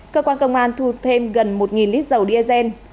cơ quan công an thu thêm gần một lít dầu diesel